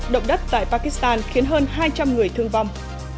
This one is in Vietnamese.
động đất tại pakistan khiến hơn hai trăm linh người thương vong